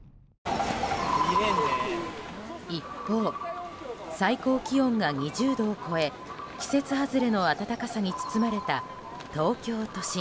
一方、最高気温が２０度を超え季節外れの暖かさに包まれた東京都心。